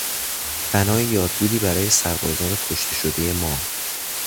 بنای یادبودی برای سربازان کشته شدهی ما